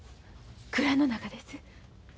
蔵の中です。